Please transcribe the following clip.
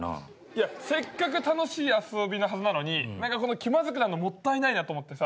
いやせっかく楽しい遊びのはずなのに何かこの気まずくなんのもったいないなと思ってさ